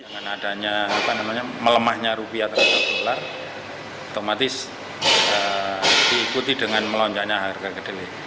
dengan adanya melemahnya rupiah terhadap dolar otomatis diikuti dengan melonjaknya harga kedelai